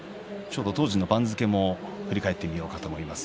当時の番付も振り返ってみようと思います。